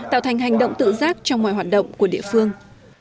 tạo thành hành động tự giác trong mọi hoạt động của địa phương